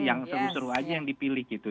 yang seru seru aja yang dipilih gitu